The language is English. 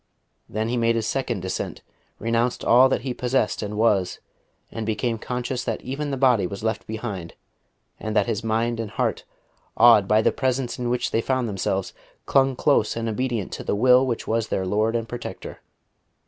Then he made his second descent, renounced all that he possessed and was, and became conscious that even the body was left behind, and that his mind and heart, awed by the Presence in which they found themselves, clung close and obedient to the will which was their lord and protector.